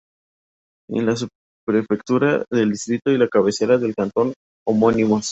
Es la subprefectura del distrito y la cabecera del cantón homónimos.